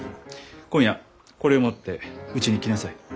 今夜これを持ってうちに来なさい。